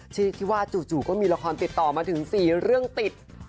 ที่คิดว่าจู่ก็มีละครติดต่อมาถึง๔เรื่องติด